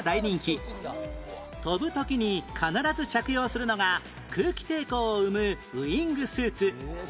飛ぶ時に必ず着用するのが空気抵抗を生むウイングスーツ